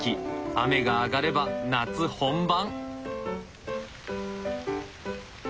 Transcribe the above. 雨が上がれば夏本番！